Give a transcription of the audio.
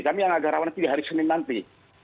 kami yang agarawan nanti di hari senin nanti